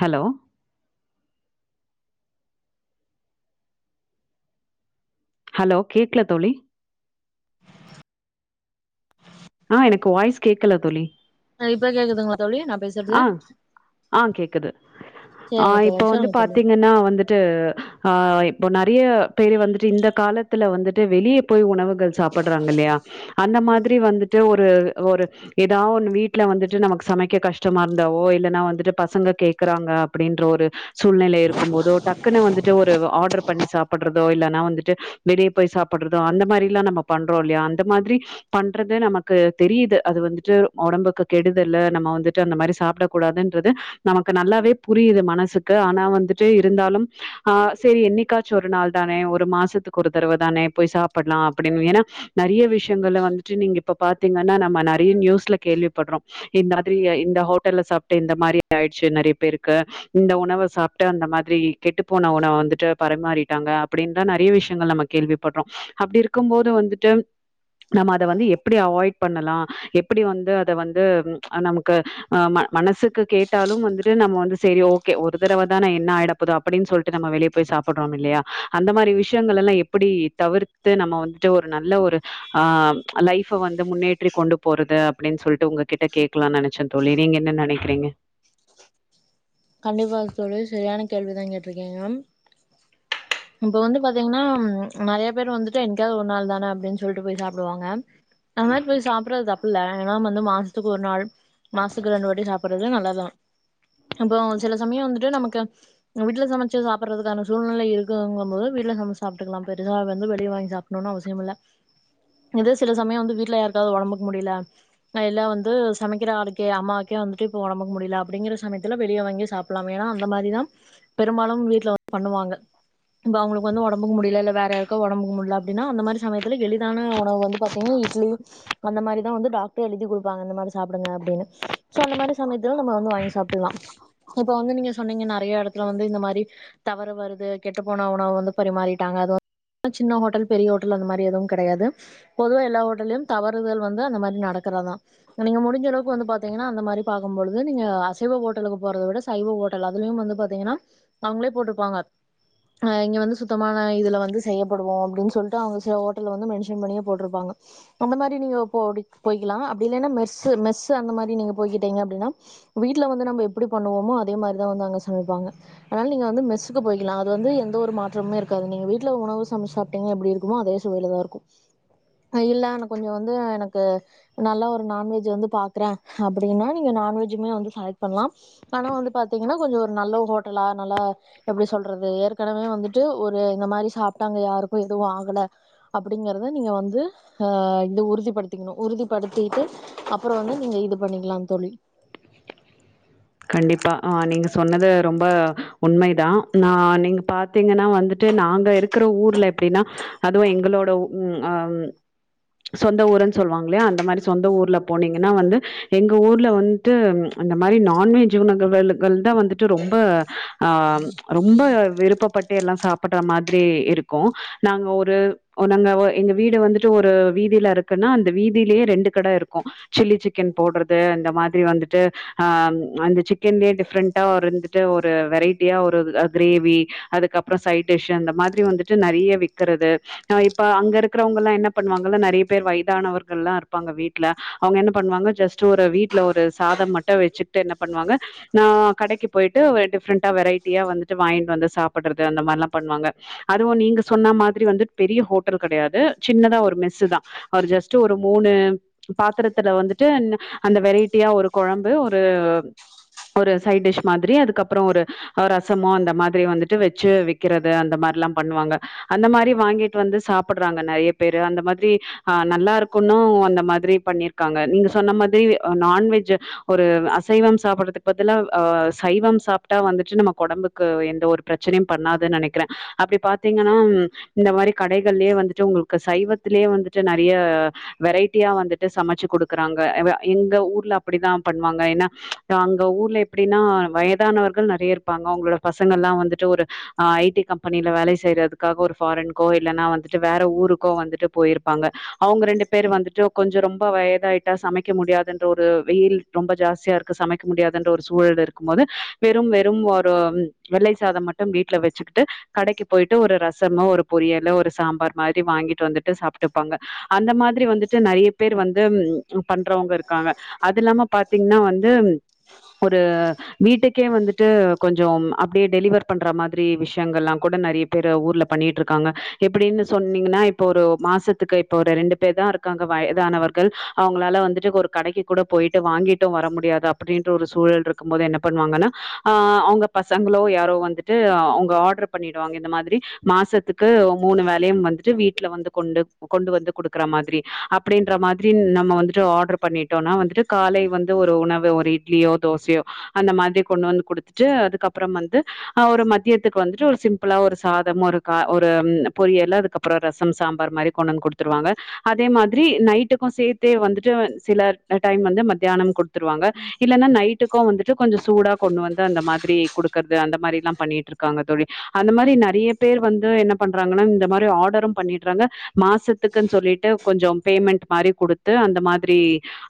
hello hello கேக்ல தோழி ஆ எனக்கு வாய்ஸ் கேக்கல தோழி அ இப்ப கேக்குதுங்ளா ஆஹ் ஆஹ் கேக்குது ஆ சேரிங்க இப்ப தோழி வந்து சொல்லுங்க தோழி பாத்தீங்கன்னா வந்துட் ட்டு ஆஹ் இப்போ நெறைய பேரு வந்துட்டு இந்த காலத்துல வந்துட்டு வெளிய போய் உணவுக் கள் சாப்பிட்றாங்க ல்லையா அந்த மாதிரி வந்துட்டு ஒரு ரு ஒரு ஏதா ஒன்னு வீட்டுல வந்துட்டு நமக்கு சமைக்க கஷ் கஷ்டமா இருந்தாவோ இல்லன்னா வந்துட்டு பசங்க கேக்குறாங்க அப்படின்ற ஒரு சூழ்நிலை இருக்கும் போது டக்குன்னு வந்துட்டு ஒரு ஆட்ரு பண்ணி சாப்பிடுறதோ இல்லன்னா வந்துட்டு வெளியே போய் சாப்பிட்றதோ அந்த மாரிலா நம்ம பண்றோ இல்லையா அந்த மாத்ரி பண்றது நமக்கு தெரியுது அது வந்துட்டு ஒடம்புக்கு கெடுதல்ல நம்ம வந்து ட்டு அந்தமாரி சாப்டக் கூடாதுன்றது நமக்கு நல்லாவே புரியுது மனசுக்கு ஆனா வந்துட்டு இருந்தாலும் ஆஹ் சரி எண்ணிக்காச்சு ஒரு நாள் தானே ஒரு மாசத்துக்கு ஒரு தடவ தானே போய் சாப்பிட்லா அப்படின் ஏன்னா நெறைய விஷயங்கல வந்துட்டு நீங்க இப்ப பாத்தீங்கன்னா நம்ம நரய நியூஸ்ல கேள்விப்பட்றோ இந் மாத்ரி இந்த ஹோட்டல்ல சாப்ட்டு இந்த மாரி ஆய்டுச்சு நிறைய பேருக்கு இந்த உணவ சாப்ட்டு அந்த மாதிரி கெட்டு போன உணவ வந்துட்டு பரிமாறிட்டாங்க அப்படின்தா நெறைய விஷயங்கள் நம்ம கேள்விப்பட்றோ அப்டி இருக்கும் போது வந்துட்டு நம்ம அத வந்து எப்டி அவாய்ட் பண்ணலா எப்டி வந்து அத வந்து ப்ச் நமக் கு அ மன மனசுக்கு கேட்டாலு வந்துட்டு நம்ம வந்து சேரி ஓகே ஒரு தடவ தான என்ன ஆயிட போது அப்படின் சொல்லிட்டு நம்ம வெளிய போய் சாப்பட்றோ இல்லியா அந்த மாரி விஷயங்கள் எல்லா எப்படி தவிர்த்து நம்ம வந்துட்டு ஒரு நல்ல ஒரு ஆஹ் லைஃப வந்து முன்னேற்றி கொண்டு போறது அப்படின் சொல்லிட்டு உங்ககிட்ட கேக்கலான் நென ச்ச தோழி நீங்க என்ன நெனக்கிறீங்க கண்டிப்பா தோழி செரியான கேள்வி தா கேட்ருக்கீங்க இப்ப வந்து பாத்தீங்ன்னா நெறைய பேர் வந்துட்டு என்க்காது ஒரு நாள் தானே அப்டின் சொல்ட்டு போய் சாப்டுவாங்க அந் மாரி போய் சாப்பட்றது தப்பில்ல ஏனா வந்து மாசத்துக்கு ஒரு நாள் மாசத்துக்கு ரெண்டு வாட்டி சாப்பட்றது நல்லத் தா இப்போ சில சமயோ வந்துட்டு நமக்கு வீட்ல சமச்சு சாப்டறதுக்கான சூழ்நிலை இருக்குதுங்கும்போது வீட்ல சமச்சு சாப்ட்டுக்கலா பெருசா வந்து வெளிய வாங் சாப்டணுனு அவசியமில்ல இதே சில சமயோ வந்து வீட்ல யார்க்காவது ஒடம்புக்கு முடியில இல்ல வந்து சமைக்கற ஆளுக்கே அம்மாவுக்கே வந்துட்டு இப்ப ஒடம்புக் முடியில அப்டிங்கிற சமயத் துல வெளிய வாங்கி சாப்பட்லா ஏனா அந்த மாரி தா பெரும்பாலு வீட்ல பண்ணுவாங்க இப்ப அவங்களுக்கு வந்து ஒடம்புக்கு முடில இல்ல வேற யார்க்கா ஒடம்புக்கு முடில அப்டினா அந்த மாரி சமயத்துல எளிதான உணவு வந்து பாத்தீங்கன்னா இட்லியு அந்த மாரி தா வந்து டாக்டர் எழுதி குடுப்பாங்க இந்த மாரி சாப்டுங்க அப்டின்னு சோ அந்த மாரி சமயத்துல நம்ம வந்து வாங்கி சாப் பிட்லா இப்ப வந்து நீங்க சொன்னீங்க நெறைய எடத்துல வந்து இந்த மாரி தவறு வருது கெட்டுப் போன உணவு வந்து பரிமாறிட்டாங்க அது வ சின்ன ஹோட்டல் பெரிய ஓட்டல் அந்த மாரி எதுவு கெடையாது பொதுவா எல்லா ஓட்டல்லயு தவறுகள் வந்து அந்த மாரி நடக்கறத் தா நீங்க முடிஞ்சளவுக்கு வந்து பாத்தீங்கன்னா அந்த மாரி பாக்கும்பொழுது நீங்க அஸ் சைவ ஓட்டலுக்கு போறத விட சைவ ஓட்டல் அதுலயு வந்து பாத்தீங்கன்னா அவங்களே போட்ருப்பாங்க ஆஹ் இங்க வந்து சுத்தமான இதுல வந் து செய்யப்படுவோ அப்படின் சொல்ட்டு அவங்க சில ஓட்டல்ல வந்து மென்ஷன் பண்ணியே போட்ருப்பாங்க அந்த மாரி நீங்க போடி போய்க்கலா அப்படில்லனா மெஸ்ஸு மெஸ்ஸு அந்த மாரி நீங்க போய்க்கிட்டீங்க அப்டின்னா வீட்ல வந்து நம்ம எப்டி பண்ணுவோமோ அதே மாரி தா வந்து அங்க சமைப்பாங்க அதனால நீங்க வந்து மெஸ்ஸுக்கு போய்க்கலா அது வந்து எந்த ஒரு மாற்றம்மே இருக்காது நீங்க வீட்ல உணவு சமச் சாப்ட்டீங்னா எப்படி இருக்குமோ அதே சுவைல தா இருக்கு இல்ல நா கொஞ்சோ வந்து எனக்கு நல்லா ஒரு நான்வெஜ் வந்து பாக்கறே அப்படின்னா நீங்க நான்வெஜ்ஜுமே வந்து ஆட் பண்லா ஆனா வந்து பாத்தீங்கனா கொஞ்சோ ஒரு நல்ல ஹோட்டலா நல்லா எப்படி சொல்றது ஏற்கனவே வந்துட்டு ஒரு இந்த மாரி சாப்ட்டாங்க யாருக்கு எதுவு ஆகல அப்படிங்கறத நீங்க வந்து ஆஹ் இத உறுதிப்படுத்திக்கணு உறுதிப்படுத்திட்டு அப்பறோ வந்து நீங்க இது பண்ணிக்கலா தோழி கண்டிப்பா ஆஹ் நீங்க சொன்னது ரொம்ப உண்மைதா நா நீங்க பாத்தீங்கன்னா வந்துட்டு நாங்க இருக்கற ஊர்ல எப்டின்னா அதுவு எங்களோட ம் அம் சொந்த ஊருன் சொல்லுவாங்ல்லியா அந்த மாரி சொந்த ஊர்ல போனீங்கன்னா வந்து எங்க ஊர்ல வந்ட்டு அந்த மாரி நா நான்வெஜ்ஜு உணவு [unintelligible] கள் தா வந்துட்டு ரொம்ப ஆஹ் ரொம்ப விருப்பப்பட்டு எல்லா சாப்பிட்ற மாதிரி இருக்கு நாங்க ஒரு நாங்க எ எங்க வீடு வந்துட்டு ஒரு வீதில இருக்குன்னா அந்த வீதிலே ரெண்டு கட இருக்கு சில்லி சிக்கன் போட்றது அந்த மாதிரி வந்துட்டு ஆஹ் அந்த சிக்கன்லயே டிஃப்ரெண்ட்டா ருந்துட்டு ஒரு வெரைட்டியா ஒரு [unintelligible] அ கிரேவி அதுக்கப்றோ சைட் டிஷ்ஷு அந்த மாதிரி வந்துட்டு நெறைய விக்கறது அஹ் இப்ப அங்க இருக்கறவங்கல்லா என்ன பண்வாங்கனா நெறைய பேர் வயதானவர்கள்லா இருப்பாங்க வீட்ல அவங்க என்ன பண்வாங்க ஜஸ்ட் ஒரு வீட்ல ஒரு சாதம் மட்டு வெச்சு ட்டு என்ன பண்வாங்க நா கடைக்கு போய்ட்டு வெ டிப்ரன்டா வெரைட்டியா வந்துட்டு வாங்ட்டு வந்து சாப்பட்றது அந்த மாரிலா பண்வாங்க அதுவு நீங்க சொன்ன மாதிரி வந்து பெரிய ஹோட்டல் கெடையாது சின்னதா ஒரு மெஸ்ஸு தா ஒரு ஜஸ்டு ஒரு மூணு பாத்தரத்துல வந்துட்டு ன் அந்த வெரைட்டியா ஒரு கொழம்பு ஒ ஒரு ஒரு சைட் டிஷ் மாதிரி அதுக்கப்பறோ ஒரு அ ரசமோ அந்த மாதிரி வந்துட்டு வெச்சு விக்கறது அந்த மாரில்லா பண்ணுவாங்க அந்த மாரி வாங்கிட்டு வந்து சாப்பட்றாங்க நெறைய பேரு அந்த மாதிரி ஆஹ் நல்லா இருக்குன்னு அந்த மாதிரி பண்ணிருக்காங்க நீங்க சொன்ன மாதிரி [unintelligible] நான்வெஜ்ஜு ஒரு அசைவம் சாப்பட்றதுக்கு பதில அ சைவம் சாப்ட்டா வந்துட்டு நமக் ஒடம்புக்கு எந்த ஒரு பிரச்சனையு பண்ணாதுன் நெனைக்கறே அப்டி பாத்தீங்கன்னா இந்த மாரி கடைகள்லயே வந்துட்டு உங்களுக்கு சைவத்திலயே வந்துட்டு நெறைய வெரைட்டியா வந்துட்டு சமச்சு குடுக்கறாங்க [unintelligible] எங்க ஊர்ல அப்படி தா பண்வாங்க ஏனா அங்க ஊர்ல எப்படினா வயதானவர்கள் நெறைய இருப்பாங்க அவங்களோட பசங்கெல்லா வந்துட்டு ஒரு ஐ டி கம்பெனில வேலை செய்யறதுக்காக ஒரு ஃபாரின்கோ இல்லன்னா வந்துட்டு வேற ஊருக்கோ வந்துட்டு போய்ருப்பாங்க அவங்க ரெண்டு பேர் வந்துட்டு கொஞ்சோ ரொம்ப வயதாய் ட்டா சமைக்க முடியாதுன்ற ஒரு வெயில் ரொம்ப ஜாஸ்தியா இருக்கு சமைக்க முடியாதுன்ற ஒரு சூழல் இருக்கும் போது வெறும் வெறும் ஒரு வெள்ளை சாதம் மட்டும் வீட்ல வெச்சுக்கிட்டு கடைக்கு போயிட்டு ஒரு ரசமோ ஒரு பொரியலோ ஒரு சாம்பார் மாரி வாங்கிட்டு வந்துட்டு சாப்ட்டுப்பாங்க அந்த மாதிரி வந்துட்டு நெறைய பேர் வந்து ம் பண்றவங்க இருக்காங்க அது இல்லாம ப்ப வந்து ஒரு வீட்டுக்கே வந்துட்டு கொஞ்சோ அப்படியே டெலிவர் பண்ற மாதிரி விஷயங்கள்லா கூட நெறைய பேரு ஊர்ல பண்ணிட்ருக்காங்க எப்டின்னு சொன்னீங்கன்னா இப்ப ஒரு மாசத்துக்கு இப்ப ஒரு ரெண்டு பேர் தா இருக்காங்க வயதானவர்கள் அவங்களால வந்துட்டு ஒரு கடைக்கு கூட போய் ட்டு வர முடியாத அப்படின்ற ஒரு சூழல்ருக்கும் போது என்ன பண்வாங்கன்னா ஆ அவங்க பசங்களோ யாரோ வந்துட்டு அவங்க ஆர்டர் பண்ணிடுவாங்க இந்த மாதிரி மாசத்துக்கு மூணு வேளையு வந்துட்டு வீட்ல வந்து கொண்டு கொண்டு வந்து குடுக்கற மாதிரி அப்படின்ற மாதிரி நம்ம வந்துட்டு ஆர்டர் பண்ணிட்டோம்னா வந்துட்டு காலை வந்து ஒரு உணவு ஒரு இட்லியோ தோசையோ அந்த மாதிரி கொண்டு வந்து குடுத்துட்டு அதுக்கப்றம் வந்து அஹ் ஒரு மத்தியத்துக்கு வந்துட்டு ஒரு சிம்பிளா ஒரு சாதம் ஒரு கா ஒரு பொரியலு அதுக்கப்றோ ரசம் சாம்பார் மாரி கொண்டு வந்து குடுத் துருவாங்க அதே மா திரி நைட்டுக்கு சேத்தே வந்துட்டு சில டைம் மத்தியானம் குடுத்துருவாங்க இல்லன்னா நை ட்டுக்கு வந்துட்டு கொஞ்ச சூடா கொண்டு வந்து அந்த மாதிரி குடுக்கறது அந்த மாரில்லா பண்ணிட்ருக்காங்க தோழி அந்த மாரி நெறைய பேர் வந்து என்ன பண்றாங்கன்னா இந்த மாரி ஆர்டரு பண்ணிட்றாங்க மாசத்துக்குன் சொல்லிட்டு கொஞ்சோ பேமெண்ட் மாரி குடுத்து அந்த மாதிரி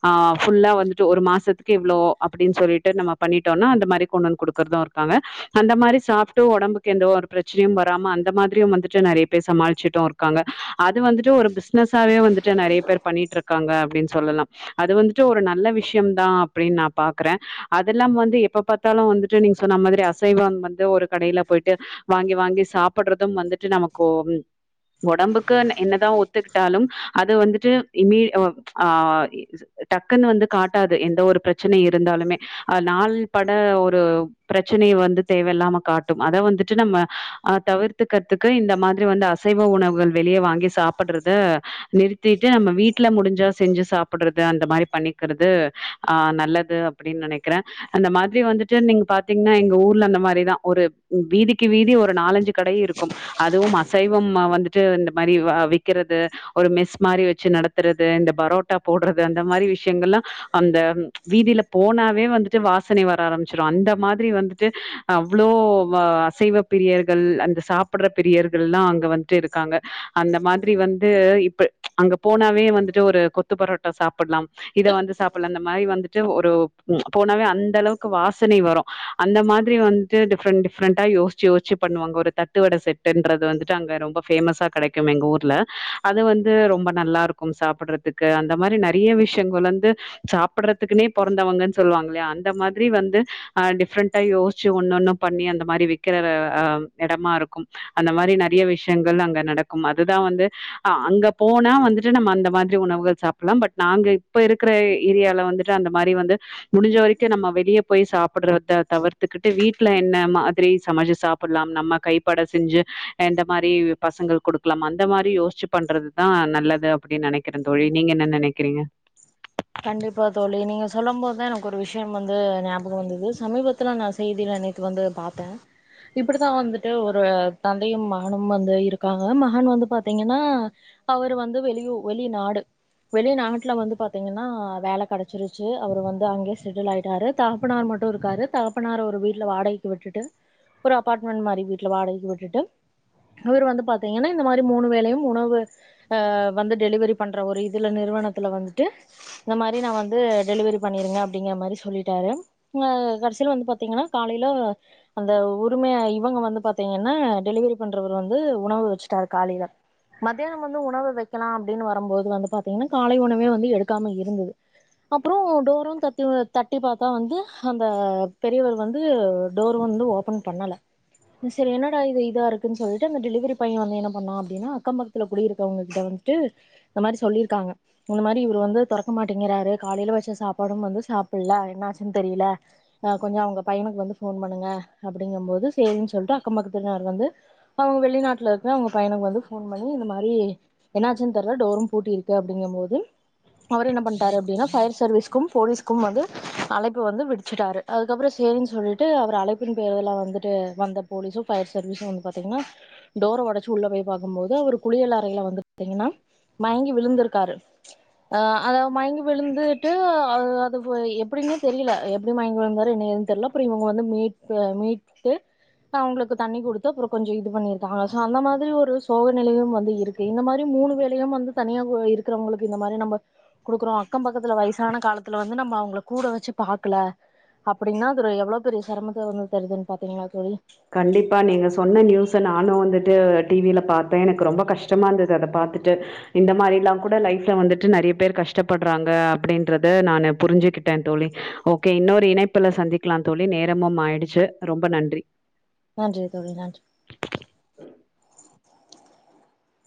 ஆஹ் ஃபுல்லா வந்துட்டு ஒரு மாசத்துக்கு இவ்ளோ அப்படின் சொல்லிட்டு நம்ம பண்ணிட்டோன்னா அந்த மாரி கொண்டு வந்து குடுக்கறது இருக்காங்க அந்த மாரி சாப்ட்டு ஒடம்புக்கு எந்த ஒரு பிரச்சனையு வராம அந்த மாதிரியு வந்துட்டு நெறைய பேர் சமாளிச்சுட்டு இருக்காங்க அது வந்துட்டு ஒரு பிஸ்னஸ்ஸாவே வந்துட்டு நெறைய பேர் பண்ணிட்ருக்காங்க அப்படின் சொல்லலா அது வந்து டு ஒரு நல்ல விஷயம் தா அப்படின் நா பாக்கறே அதெல்லா வந்து எப்ப பாத்தாலு வந்துட்டு நீங்க சொன்ன மாதிரி அசைவம் வந்து ஒரு கடைல போயிட்டு வாங்கி வாங்கி சாப்பட்றது வந்துட்டு நமக்கோ ம் ஒடம்புக்கு ன் என்னதா ஒத்துக்கிட்டாலு அது வந்துட்டு [unintelligible] ஆஹ் டக்குன்னு வந்து காட்டாது எந்த ஒரு பிரச்சனை இருந்தாலுமே அஹ் நாள் பட ஒரு பிரச்சனைய வந்து தேவயில்லாம காட்டு அத வந்துட்டு நம்ம அஹ் தவிர்த்துக்கறதுக்கு இந்த மாதிரி வந்து அசைவ உணவுகள் வெளிய வாங்கி சாப்பட்றத நிறுத்திட்டு நம்ம வீட்ல முடிஞ்சா செஞ்சு சாப்புடுறது அந்த மாதிரி பண்ணிக்கிறது ஆஹ் நல்லது அப்டின்னு நினைக்கிறே அந்த மாதிரி வந்துட்டு நீங் பாத்தீங்கன்னா எங்க ஊர்ல அந்த மாதிரிதா ஒரு வீதிக்கு வீதி ஒரு நாலஞ்சு கடையு இருக்கு அதுவும் அசைவமா வந்து ச்சு ந்த மாதிரி வ விக்கிறது ஒரு மெஸ் மாதிரி வச்சு நடத்துறது இந்த பரோட்டா போடு த அந்த மாதிரி விஷயங்கள்ல்லா அந்த வீதியில போனாவே வந்துட்டு வாசனை வர ஆரம்பிச்சிர அந்த மாதிரி வந்துட்டு அவ்வளோ அசைவ பிரியர்கள் அந்த சாப்புடுற பிரியர்கள் எல்லா அங்க வந்துட்டு இருக்காங்க அந்த மாதிரி வந்து இப்ப அங்க போனாவே வந்துட்டு ஒரு கொத்து பரோ டா சாப்பிலாம் இத வந்து சாப்பலா அ மாதிரி வந்து ஒரு போனாவே அந்த அளவுக்கு வாசனை வரும் அந்த மாதிரி வந்து டிப்ஃர்ன் டிஃப்ரன் யோசிச்சு யோசி பண்ணுவாங்க ஒரு தட்டுவடை செட்டுன்றது வந்து அங்கொ கிடைக்கும் எங்க ஊர்ல அது வந்து ரொம்ப நல்லா இருக்கும் சாப்படுறதுக்கு இந்த மரிநைய விஷயங்கள் வந்து சாப்பிடுறதுக்குனே பொறந்தவங்கன்னு சொல்லுவாங்கயா இல்லயா அந்த மாதிரி வந்து ஹ டிஃப்ரெண்டா யோசிச்சு ஒன்னொன்னும் பண்ணி அந்த மாதிரி விக்கிறஹ இடமா இருக்கும் அந்த மாதிரி நிறைய விஷயங்கள் அங்க நடக்கும் அதுதான் வந்து அங்க போனா வந்துட்டு நம்ம அந்த மாதிரி உணவுகள் சாப்ப லம் பட் நாங்க இப்ப இருக்கிற ஏரியால வந்துட்டு அந்த மாதிரி வந்து முடிஞ்ச வரைக்கு நம்ம வெளியபே போய் சாப்பிடுறத தவிர்த்துக்கிட்டு வீட்டுல என்ன மாதிரி சமயல் சாப்பிடலாம் நம்ம கைப்பட செஞ்சு எந்த மாதிரி பசங்களு கொடுக்கலானு அந்த மாதிரி யோசிச்சு பண்றதுதான் நல்லது அப்டின்னு நெனைக்கிறேன் தொழி நீங்க என்ன ந நெனைக்கிறீங்க கண்டிப்பா தோழி நீங்க சொல்லும் போதுதா எனக்கு ஒரு விஷயம் வந்து ஞாபக வந்தது சமீபத்துல நான் செய்தில நெத்து வந்து பாத்த இப்டித்தான் வந்துட்டு ஒரு தந்தையும் மகனும் வந்து இருக்காங்க மகன் வந்து பார்தீங்கன்னா அவர் வந்து வெளியூ வெளிநடு வெளி நாட்டுல வந்து பாத்தி த்தீங்கன்னா வேல கிடைச்சிருச்சு அவர் வந்து அங்கேயே செட்டில் ஆயிட்டாரு தகப்பனார் மட்டும் இருக்காரு தகப்பனார் ஒரு வீட்டல வாடகைக்கு விட்டுட்டு ஒரு அபார்ட்மெண்ட் மாதிரி வீட்டல வாடகைக்கு விட்டுட்டு இவ்ர் வந்து பாத்தீங்கன்னா இந்த மாதிரி மூணு வேலையு உணவு வந்து டெலிவரி பண்ற ஒரு இதுல நிறுவனத்து வந்து து இந்த மாரி நா வந்து டெலிவரி பன்னிரு ங்க அப்டிங்கற மாதிரி சொல்லிடாரு னா கட்சில வந் பாத்திங்னா காலைல அந்த உரிமையா இவுங்க வந்து பாத்திங்கன டெலிவரி பண்றவரு வந்து உணவு வச்சுடாரு காலையில மதியோ வந்து உணவு வைக்லானு வரும்போது காலை உணவுவேந்து எலுக்காம இருது அப்றோ டொறும் தட்டுவர் தட்டி பாத்த வந்து அந்த பெரியவர் வந்து டொரு வந்து ஓப்பன் பன்னல செரி என்னட இதுஇதா இருக்குனு அந்த டெலிவரி பய்ய வந்து என்ன பன்னா அப்டினா அக்கபக்கதுல குடியிருந்தவன்டு இந்த மாரி சொல்லிருக்காங்க மாரி இத வந்து துரக்க மாட்டேங்கிறாரு காலையில வச்ச சாப்பாடும் வந்து சாப்பிடல என்னாச்சுன்னு தெரியல கொஞ்சம் அவங்க பையனுக்கு வந்து போன் பண்ணுங்க அப்டிங்கு போது சரின்னு சொல்லிட்டு அக்க பக்கத்தினர் வந்து அவு வெளிநாட்டுல இருக்க அவுங் பயனுக்கு வந்து போன் பண்ணி இந்த மாதிரி என்னாச்சுன்னு தெரல டோரும் பூட்டிருக்கு அப்டிங்க போது அவர் என்ன பண்ட்டாரு அப்டின்னா பஃபயர் சர்வீஸ்க்கும் போலீஸ்க்கும வந்து அழைப்பு வந்து விடிச்சுட்டாரு அதுக்கப்புறோ சேரின்னு சொல்லிட்டு அவர் அழைப்பின் பேரலாம் வந்துட்டு வந்த போலீஸும் பஃபயர் சர்வீஸும் வந்து பாத்தீங்னா டோர ஒடைச்சு உள்ள போய் பார்கும்போது அவரு குளியல் அறைையில வந்து பா்த்தீங்ன்னா மயங்கி விழுந்துருக்காரு அஹ் அத மயங்கி விழுந்துட்டு அது போய் எப்டின்னே தெரியல எப்படி மயங்கி விழுந்தாரு என்ன ஏதுனு தெர்ல அப்புரியு இவங்க வந்து மீட்டு அவங்களுக்கு தண்ணி கொடுத்து அப்றோ கொஞ்ச இத பண்ணியிருகா சொன்ன மாரி ஒரு சோக நிலையும் வந்து இருக்கு இந்த மாதிரி மூணு வேலையு வந்து தனியாக இருக்கிறவங்களுக்கு இந்த மாரி நம்ம குடுக்குறோ அக்கம் பக்கத்துல வய்சான காலத்துல வந்து நம்ம அவுங்கள கூட வச்சு பாக்ல அப்படின்னா அது எவ்வளோ பெரிய சிரமத்த வந்து தருதுன்னு பாத்தீங்களா தொழி கண்டிப்பா நீங்க சொன்ன நியூஸ் நானு வந்து து டிவில பாத்தே எனக்கு ரொம்ப கஷ்டமா இருந்தது அத பாத்துட்டு இந்த மாதிரி எல்லா கூட லைஃப்ல வந்துட்டு நெறய பேர் கஷ்டப்படுறாங்க அப்டின்றத நானு புரிஞ்சுகிட்டே தோழி ஓகே இன்னொரு இணைப்புல சந்திக்கலாம் தொழி நேரமும் ஆயிடுச்சு ரொம்ப நன்றி நன்றி தோழி நன்றி